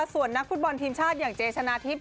ส่วนนักฟุตบอลทีมชาติอย่างเจชนะทิพย